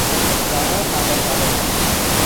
ডানার আগা কালো।